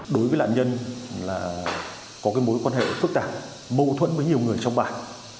đối với lạn nhân là có mối quan hệ phức tạp mâu thuẫn với nhiều người trong bãi